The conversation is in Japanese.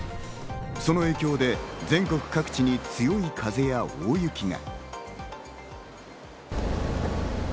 その影響で全国各地に強い風や大雪が。